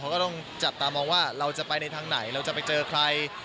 เขาก็ต้องจับตามองว่าเราจะไปในทางไหนเราจะไปเจอใคร